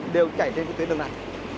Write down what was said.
đều chạy trên cái tuyến đường này